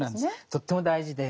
とっても大事で。